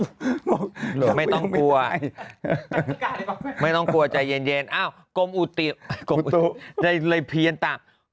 โหไม่ต้องกลัวไม่ต้องกลัวใจเย็นอ้าวกรมอุตุในเหล่าเพียนต่าง